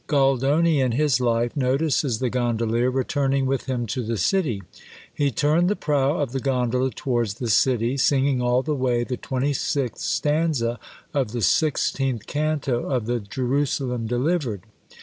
Goldoni, in his life, notices the gondolier returning with him to the city: "He turned the prow of the gondola towards the city, singing all the way the twenty sixth stanza of the sixteenth canto of the Jerusalem Delivered."